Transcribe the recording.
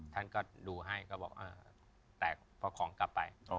ท่านก็ดูให้ก็บอกแต่พอของกลับไป